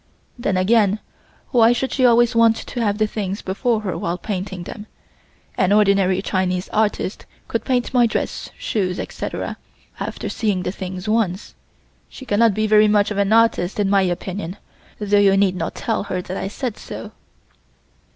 Then again why should she always want to have the things before her while painting them. An ordinary Chinese artist could paint my dress, shoes, etc., after seeing the things once. She cannot be very much of an artist in my opinion, though you need not tell her that I said so."